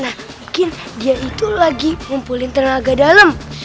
nah mungkin dia itu lagi ngumpulin tenaga dalem